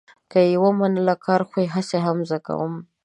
که یې ومنله، کار خو یې هسې هم زه کوم.